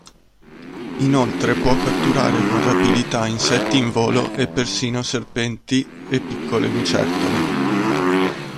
Inoltre può catturare con rapidità insetti in volo e persino serpenti e piccole lucertole.